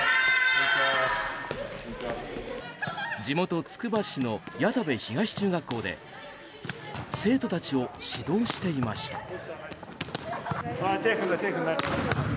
地元つくば市の谷田部東中学校で生徒たちを指導していました。